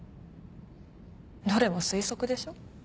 どれも推測でしょ？